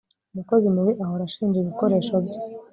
Umukozi mubi ahora ashinja ibikoresho bye